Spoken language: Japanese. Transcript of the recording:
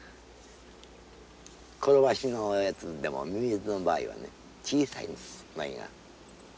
コロバシのやつでもミミズの場合はね小さいんですウナギが。